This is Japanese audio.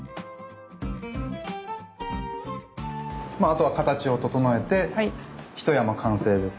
まああとは形を整えてひと山完成です。